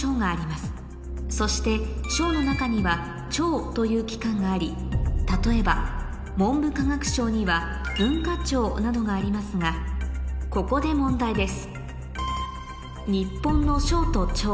そしてという機関があり例えば文部科学省には文化庁などがありますがここで問題です